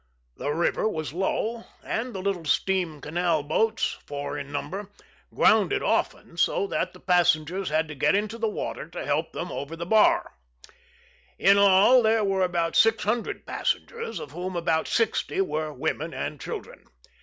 The river was low, and the little steam canal boats, four in number, grounded often, so that the passengers had to get into the water, to help them over the bare. In all there were about six hundred passengers, of whom about sixty were women and children.